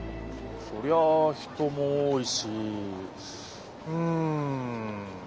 そりゃあ人も多いしうん。